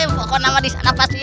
pokoknya disana pasti